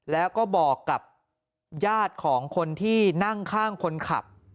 แล้วก็บอกกับญาติของคนที่นั่งข้างคนขับ